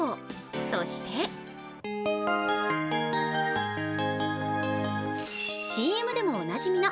そして ＣＭ でもおなじみの